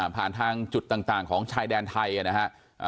ผ่านทางจุดต่างของชายแดนไทยนะฮะ